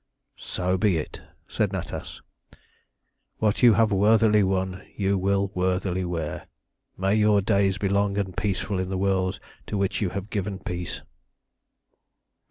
"So be it!" said Natas. "What you have worthily won you will worthily wear. May your days be long and peaceful in the world to which you have given peace!"